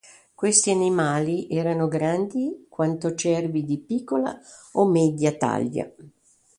Questi animali erano grandi quanto cervi di piccola o media taglia.